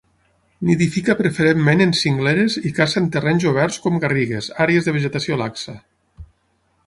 Nidifica preferentment en cingleres i caça en terrenys oberts com garrigues, àrees de vegetació laxa.